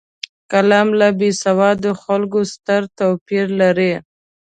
قلم له بېسواده خلکو ستر توپیر لري